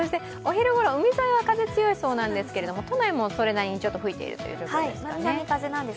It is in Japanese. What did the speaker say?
お昼ごろ、海沿いは風強いそうですが都内もそれなりにちょっと吹いているという状況ですかね。